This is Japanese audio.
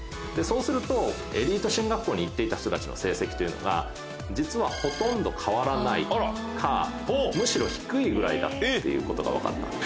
そうするとエリート進学校に行っていた人たちの成績というのが実はほとんど変わらないかむしろ低いぐらいだったっていうことが分かった。